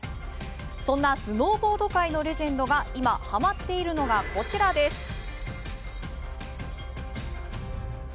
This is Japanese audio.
そのスノーボードのレジェンドが今、ハマっているのがこちらです。